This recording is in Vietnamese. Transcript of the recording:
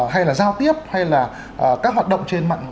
hay là giao tiếp hay là các hoạt động